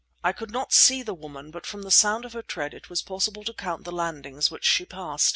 I could not see the woman, but from the sound of her tread it was possible to count the landings which she passed.